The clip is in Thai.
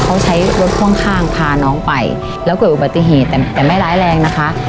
ก็ใช้รถข้างพาน้องไปแล้วก็เกิดอุบัติเหตุแต่ไม่ร้ายแรงนะคะ